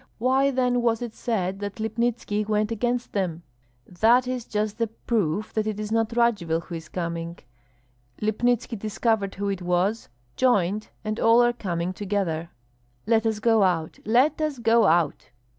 Why then was it said that Lipnitski went against them?" "That is just the proof that it is not Radzivill who is coming. Lipnitski discovered who it was, joined, and all are coming together. Let us go out, let us go out!"